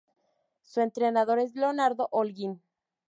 Su entrenador es Leonardo Olguín.